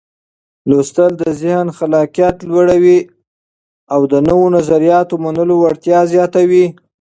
لوستل د ذهن خلاقيت لوړوي او د نوو نظریاتو منلو وړتیا زیاتوي.